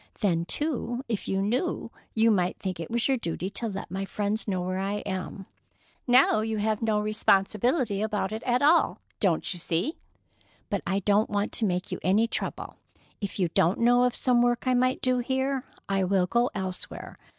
Then, too, if you knew, you might think it was your duty to let my friends know where I am. Now you have no responsibility about it at all, don't you see? But I don't want to make you any trouble. If you don't know of some work I might do here, I will go elsewhere.